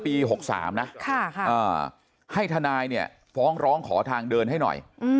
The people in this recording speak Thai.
ปี๖๓นะครับให้ทนายฟ้องร้องขอทางเดินให้หน่อย